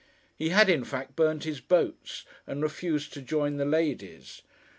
He had, in fact, burnt his boats and refused to join the ladies.